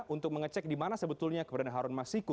untuk mengecek di mana sebetulnya keberadaan harun masiku